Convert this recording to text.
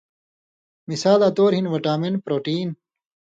مثالاں طور ہِن وٹامن پروٹین